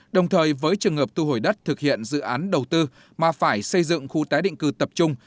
đồng thời với trường hợp thu hồi đất thực hiện dự án đầu tư mà phải xây dựng khu tái định cư tập trung